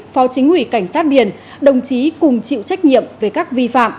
phó chính ủy cảnh sát biển đồng chí cùng chịu trách nhiệm về các vi phạm